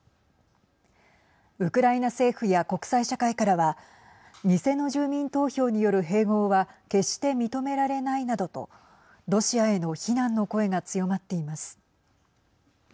ウクライナ政府や国際社会からは偽の住民投票による併合は決して認められないなどとロシアへの非難の声が強まっています。